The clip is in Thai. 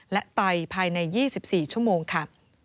และไตภายใน๒๔ชั่วโมงค่ะ